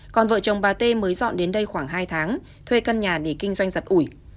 còn vợ chồng bà tê mới dọn đến đây khoảng hai tháng thuê căn nhà để kinh doanh giật ủi